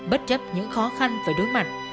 bất chấp những khó khăn với đối mặt